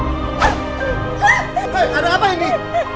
hey ada apa ini